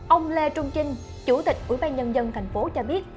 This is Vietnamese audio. ông lê trung trinh chủ tịch ủy ban nhân dân thành phố cho biết